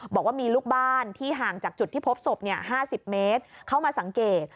บอกว่ามีลูกบ้านที่ห่างจากจุดที่พบศพ๕๐เมตรเข้ามาสังเกต